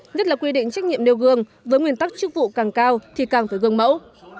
nhất là quy định trách nhiệm nêu gương với nguyên tắc chức vụ càng cao thì càng phải gương mẫu